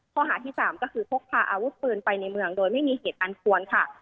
ข้อหาที่๓ก็คือพกพาอาวุธปืนไปในเมืองโดยไม่มีเหตุอันควรค่ะ